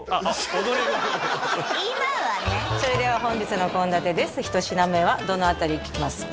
それでは本日の献立です一品目はどの辺りいきますか？